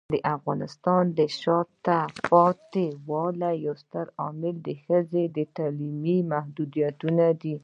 د افغانستان د شاته پاتې والي یو ستر عامل ښځو تعلیمي محدودیتونه دي.